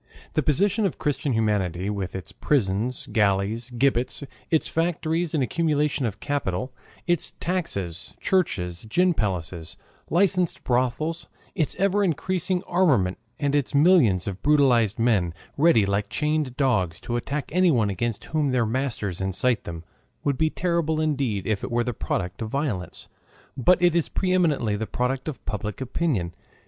The position of Christian humanity with its prisons, galleys, gibbets, its factories and accumulation of capital, its taxes, churches, gin palaces, licensed brothels, its ever increasing armament and its millions of brutalized men, ready, like chained dogs, to attack anyone against whom their master incites them, would be terrible indeed if it were the product of violence, but it is pre eminently the product of public opinion.